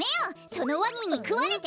そのワニにくわれて！